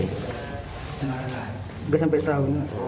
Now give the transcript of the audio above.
tidak sampai setahun